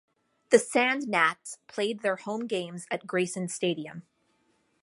The Sand Gnats played their home games at Grayson Stadium.